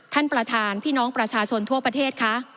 ท่านประธานพี่น้องประชาชนทั่วประเทศคะ